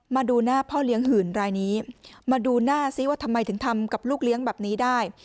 มาดูหน้าพ่อเลี้ยงหื่นรายนี้มาดูหน้าซิว่าทำไมถึงทำกับลูกเลี้ยงแบบนี้ได้